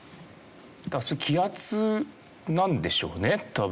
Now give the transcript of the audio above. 気圧なんでしょうね多分。